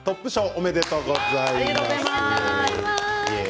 ありがとうございます。